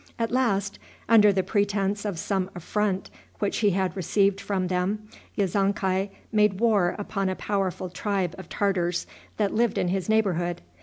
] At last, under the pretense of some affront which he had received from them, Yezonkai made war upon a powerful tribe of Tartars that lived in his neighborhood.